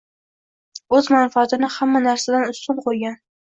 O`z manfaatini hamma narsadan ustun qo`ygan O`